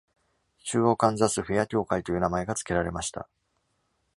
「中央カンザス・フェア協会」という名前が付けられました。